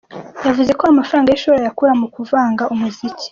Yavuze ko amafaranga y’ishuri ayakura mu kuvanga umuziki.